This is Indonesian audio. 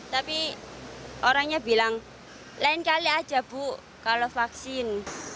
tapi orangnya bilang lain kali aja bu kalau vaksin